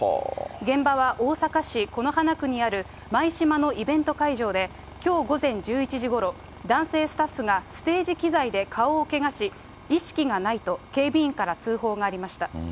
現場は大阪市此花区にある舞洲のイベント会場で、きょう午前１１時ごろ、男性スタッフがステージ機材で顔をけがし、意識がないと、警備員が通報がありました。